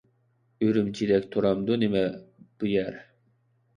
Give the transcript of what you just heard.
ئۈرۈمچىدەك تۇرامدۇ نېمە بۇ يەر؟